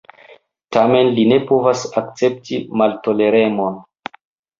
Tamen li ne povas akcepti maltoleremon.